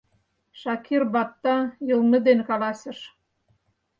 — Шакир батта йылме дене каласыш.